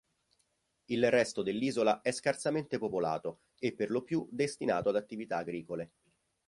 Il resto dell'isola è scarsamente popolato e per lo più destinato ad attività agricole.